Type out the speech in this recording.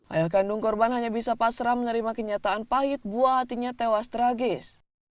ayah kandung korban hanya bisa pasrah menerima kenyataan pahit buah hatinya tewas tragis